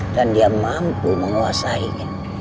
dan dia mampu menguasainya